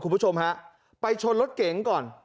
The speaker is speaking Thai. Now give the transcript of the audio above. ไปชนลดเก๋งก่อน